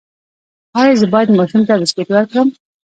ایا زه باید ماشوم ته بسکټ ورکړم؟